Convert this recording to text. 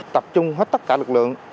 tập trung hết tất cả lực lượng